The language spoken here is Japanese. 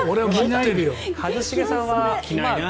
一茂さんは。